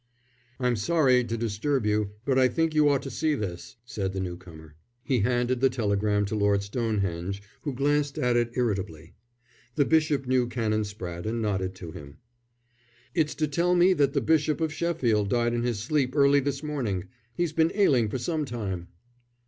"I'm sorry to disturb you, but I think you ought to see this," said the newcomer. He handed the telegram to Lord Stonehenge, who glanced at it irritably. The bishop knew Canon Spratte and nodded to him. "It's to tell me that the Bishop of Sheffield died in his sleep early this morning. He's been ailing for some time."